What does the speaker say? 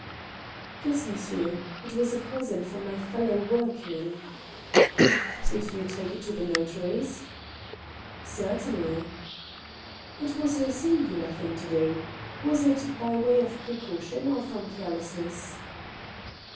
" Yes, monsieur. It was a present from my fellow workmen," " Did you take it to the notary's ?" "Certainly." " It was a singular thing to do. Was it by way of precaution or from carelessness